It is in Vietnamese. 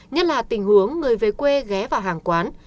nhất là tình huống người về quê ghé vào hàng quán